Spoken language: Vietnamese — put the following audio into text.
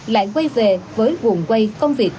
lại quay về với quần quay công việc